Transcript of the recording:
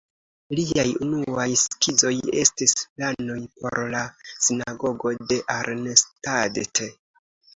Liaj unuaj skizoj estis planoj por la Sinagogo de Arnstadt.